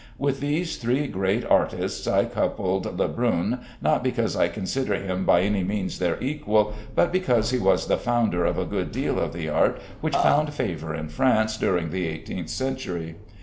With these three great artists I coupled Lebrun, not because I consider him by any means their equal, but because he was the founder of a good deal of the art which found favor in France during the eighteenth century.